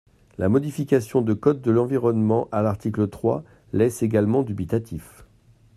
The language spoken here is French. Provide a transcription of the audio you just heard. La modification du code de l’environnement, à l’article trois, laisse également dubitatif.